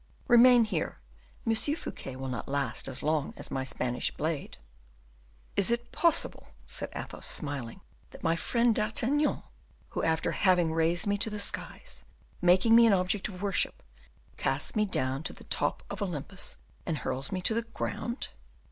Remain here; Monsieur Fouquet will not last as long as my Spanish blade." "Is it possible," said Athos, smiling, "that my friend, D'Artagnan, who, after having raised me to the skies, making me an object of worship, casts me down from the top of Olympus, and hurls me to the ground?